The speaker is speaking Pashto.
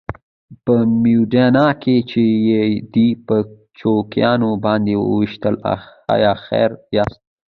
په موډینا کې چې یې دی په چوکیانو باندې وويشتل ایا خبر یاست؟